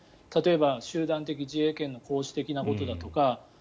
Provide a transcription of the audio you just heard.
例えば集団的自衛権の行使的なことだとか